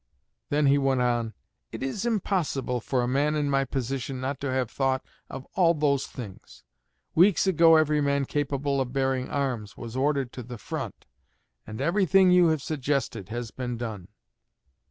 Then he went on: 'It is impossible for a man in my position not to have thought of all those things. Weeks ago every man capable of bearing arms was ordered to the front, and everything you have suggested has been done.'"